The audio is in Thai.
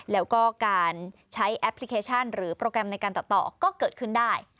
แล้วก็การใช้แอปพลิเคชันหรือโปรแกรมในการตัดต่อก็เกิดขึ้นได้